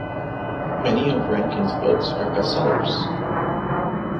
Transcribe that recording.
Many of Rankin's books are bestsellers.